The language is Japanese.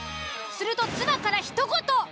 すると妻からひと言。